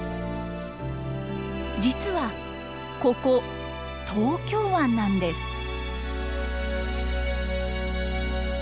実はここ、東京湾なんです。